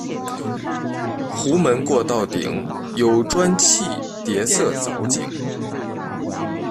壸门过道顶有砖砌叠涩藻井。